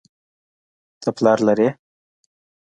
ته پلار لرې